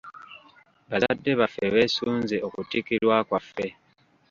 Bazadde baffe beesunze okutikkirwa kwaffe.